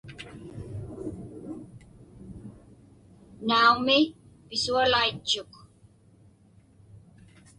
Naumi, pisualaitchuk.